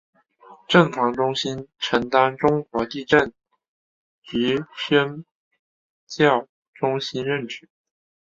震防中心承担中国地震局宣教中心职责。